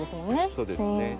そうですね。